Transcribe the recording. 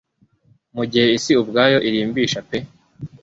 Mugihe Isi ubwayo irimbisha pe